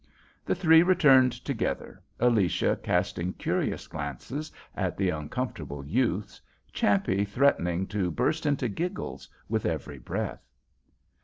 The three returned together, Alicia casting curious glances at the uncomfortable youths, Champe threatening to burst into giggles with every breath.